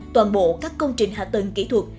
toàn bộ các công trình hạ tầng kỹ thuật